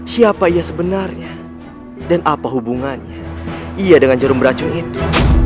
siapa ia sebenarnya dan apa hubungannya ia dengan jerum racun itu